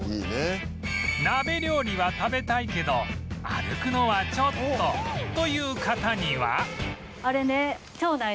鍋料理は食べたいけど歩くのはちょっとという方には